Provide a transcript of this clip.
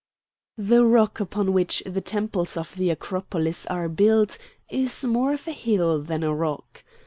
The rock upon which the temples of the Acropolis are built is more of a hill than a rock.